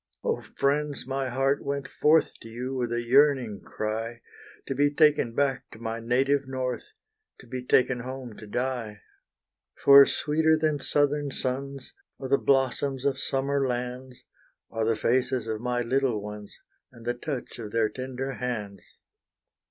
Oh, friends! my heart went forth To you with a yearning cry, To be taken back to my native North To be taken home to die. For sweeter than southern suns, Or the blossoms of summer lands, Are the faces of my little ones, And the touch of their tender hands.